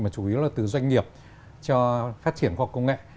mà chủ yếu là từ doanh nghiệp cho phát triển khoa học công nghệ